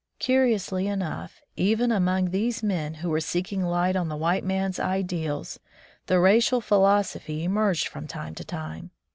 Curiously enough, even among these men who were seeking light on the white man's ideals, the racial philosophy emerged from time to time.